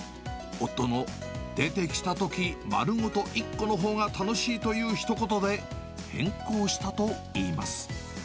夫の出てきたとき丸ごと１個のほうが楽しいというひと言で、変更したといいます。